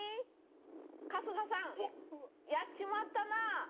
春日さんやっちまったな！